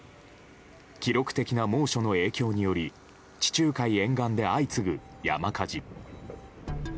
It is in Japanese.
記録的な猛暑の影響により地中海沿岸で相次ぐ山火事。